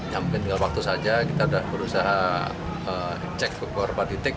sampai tinggal waktu saja kita sudah berusaha cek ke kurva titik